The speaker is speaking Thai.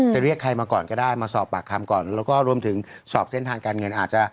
เรียกใครมาก่อนก็ได้มาสอบปากคำก่อนแล้วก็รวมถึงสอบเส้นทางการเงินอาจจะ